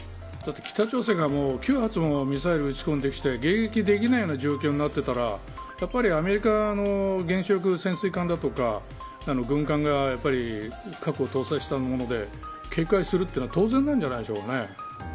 だって北朝鮮が９発もミサイル打ち込んできて迎撃できないような状況になってたらやっぱりアメリカの原子力潜水艦だとか軍艦が核を搭載したもので警戒するのは当然なんじゃないでしょうかね。